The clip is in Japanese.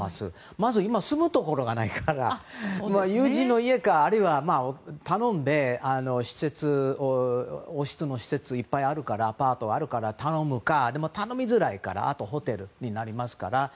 まず今、住むところがないから友人の家かあるいは、王室の施設がいっぱいあるからアパートがあるから頼むかでも頼みづらいからあとはホテルになりますから。